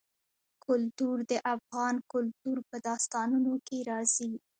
کلتور د افغان کلتور په داستانونو کې راځي.